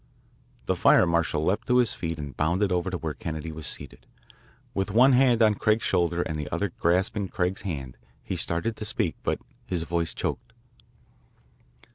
The fire marshal leaped to his feet and bounded over to where Kennedy was seated. With one hand on Craig's shoulder and the other grasping Craig's hand, he started to speak, but his voice choked.